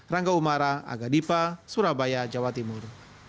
rangga umara aga diva surabaya jawa timur